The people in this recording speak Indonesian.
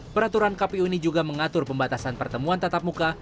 peraturan kpu ini juga mengatur pembatasan pertemuan tatap muka